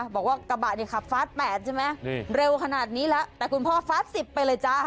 บอกว่ากระบะเนี่ยขับฟาส๘ใช่ไหมเร็วขนาดนี้แล้วแต่คุณพ่อฟ้า๑๐ไปเลยจ้า